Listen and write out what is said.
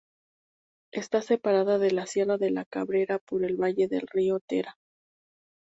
Está separada de la sierra de la Cabrera por el valle del río Tera.